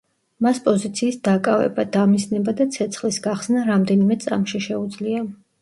მას პოზიციის დაკავება, დამიზნება და ცეცხლის გახსნა რამდენიმე წამში შეუძლია.